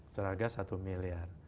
setelah harga satu miliar